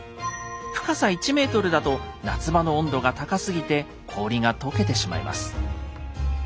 深さ１ｍだと夏場の温度が高すぎて氷が解けてしまいます。